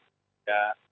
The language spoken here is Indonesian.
jangan kita hidup sehat